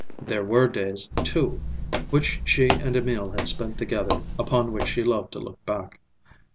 There were days, too, which she and Emil had spent together, upon which she loved to look back.